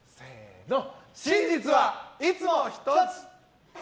真実はいつも１つ！